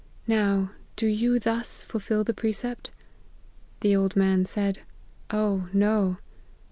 Now, do you thus fulfil the precept ?'" The old man said, ' Oh no